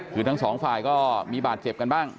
คือทั้งสองฝ่ายก็มีบาดเจ็บกันบ้าง